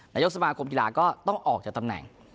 นายกสมาคมกีฬาก็ต้องออกจากตำแหน่ง